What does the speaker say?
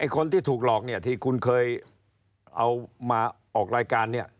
คนที่ถูกหลอกที่คุณเคยเอามาออกรายการ